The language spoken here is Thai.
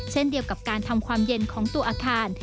เช่นเดียวกับการทำความเย็นของตัวอาคาร